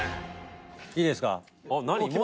横尾：いいですか？